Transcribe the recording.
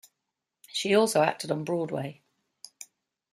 She also acted on Broadway.